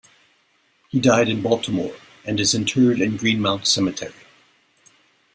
He died in Baltimore, and is interred in Greenmount Cemetery.